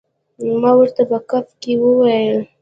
ما ورته په ګپ کې وویل.